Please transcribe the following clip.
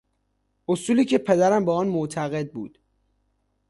اصولی که پدرم به آن معتقد بود